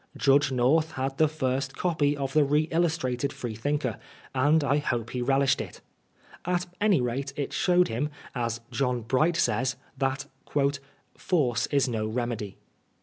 Jndge North had the first copy of the re illnstiated Freethinker^ and I hope he velidied it. At any rate, it showed him, as John Bright 8ay8» that " force is no remedy."